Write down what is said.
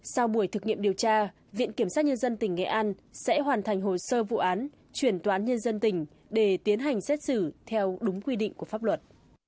sau buổi thực nghiệm điều tra viện kiểm sát nhân dân tỉnh nghệ an sẽ hoàn thành hồ sơ vụ án chuyển toán nhân dân tỉnh để tiến hành xét xử theo đúng quy định của pháp luật